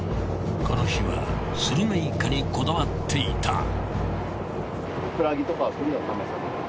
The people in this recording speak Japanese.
この日はスルメイカにこだわっていた。